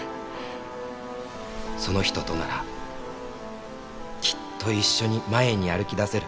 「その人とならきっと一緒に前に歩き出せる」